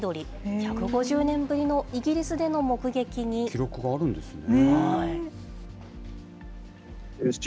１５０年ぶりのイギリスでの目撃記録があるんですね。